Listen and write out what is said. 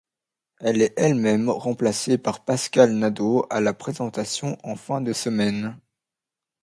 Elle est elle-même remplacée par Pascale Nadeau à la présentation en fin de semaine.